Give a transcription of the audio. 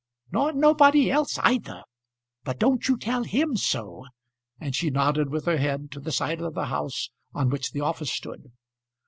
"Nor nobody else either. But don't you tell him so," and she nodded with her head to the side of the house on which the office stood.